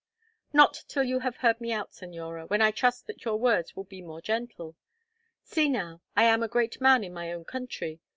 "Not till you have heard me out, Señora, when I trust that your words will be more gentle. See now I am a great man in my own country.